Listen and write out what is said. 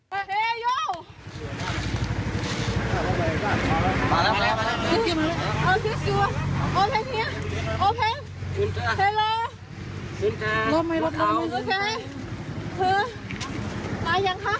ไปยังคะ